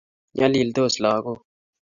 nyaliltos lagok